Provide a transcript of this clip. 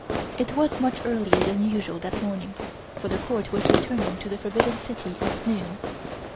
It was much earlier than usual that morning for the Court was returning to the Forbidden City at noon.